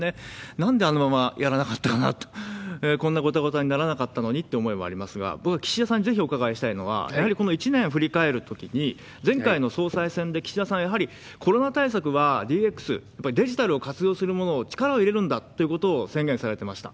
なんであのままやらなかったのかなと、こんなごたごたにならなかったのにという思いはありますが、これは岸田さんにぜひお伺いしたいのは、やはりときに、前回の総裁選で岸田さん、やはりコロナ対策は、ＤＸ、デジタルを活用するものを力を入れるんだということを宣言されてました。